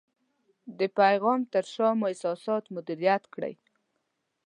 د پیغام تر شا مو احساسات مدیریت کړئ.